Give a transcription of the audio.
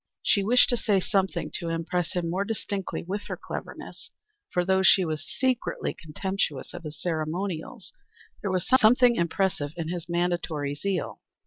She wished to say something to impress him more distinctly with her cleverness, for though she was secretly contemptuous of his ceremonials, there was something impressive in his mandatory zeal.